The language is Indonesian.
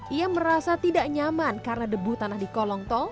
ia merasa tidak nyaman karena debu tanah di kolong tol